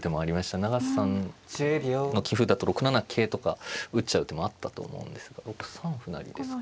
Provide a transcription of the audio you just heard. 永瀬さんの棋風だと６七桂とか打っちゃう手もあったと思うんですが６三歩成ですか。